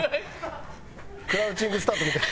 クラウチングスタートみたい。